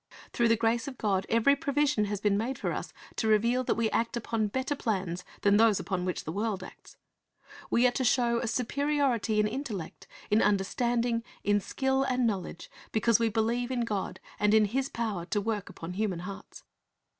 Through the grace of God every provision has been made for us to reveal that we act upon better plans than those upon which the world acts. We are to show a superiority in intellect, in understanding, in skill and knowledge, because we believe in God and in His power to work upon human hearts.